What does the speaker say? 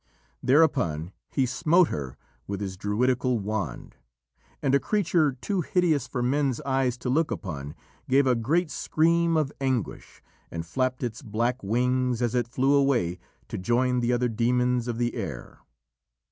Thereupon he smote her with his druidical wand, and a creature too hideous for men's eyes to look upon, gave a great scream of anguish, and flapped its black wings as it flew away to join the other demons of the air.